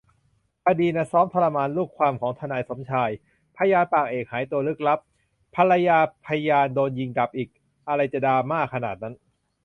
คดีนซ้อมทรมานลูกความของทนายสมชาย พยานปากเอกหายตัวลึกลับ ภรรยาพยานโดนยิงดับอีก อะไรจะดราม่าขนาดนั้น